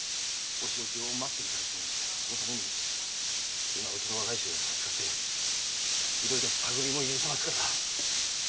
そのためにうちの若い衆を使っていろいろ探りも入れてますから。